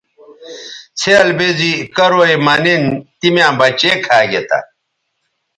څھیال بے زی کرو یے مہ نِن تی میاں بچے کھا گے تھے